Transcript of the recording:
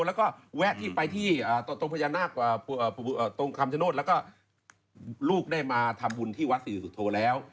แล้วก็แวะที่ไปที่ตรงพญานาคตรงคำชโนธแล้วก็ลูกได้มาทำบุญที่วัดศรีสุโธแล้ว